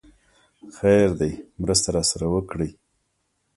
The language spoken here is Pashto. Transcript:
خير دی! مرسته راسره وکړئ!